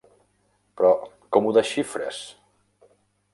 Però como ho desxifres?